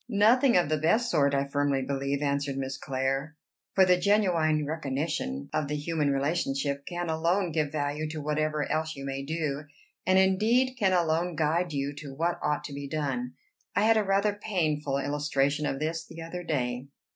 "Nothing of the best sort, I firmly believe," answered Miss Clare; "for the genuine recognition of the human relationship can alone give value to whatever else you may do, and indeed can alone guide you to what ought to be done. I had a rather painful illustration of this the other day.